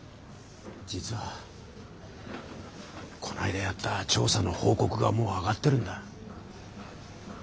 実はこないだやった調査の報告がもうあがってるんだ。